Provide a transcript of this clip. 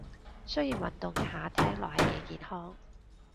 雖然運動一下聽落係幾健康